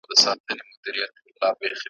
د قرنونو توپانونو پښتانه کور ته راوړی `